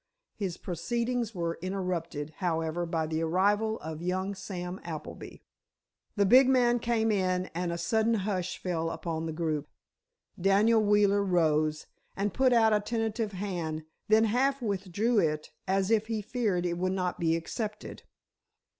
His proceedings were interrupted, however, by the arrival of young Samuel Appleby. The big man came in and a sudden hush fell upon the group. Daniel Wheeler rose—and put out a tentative hand, then half withdrew it as if he feared it would not be accepted.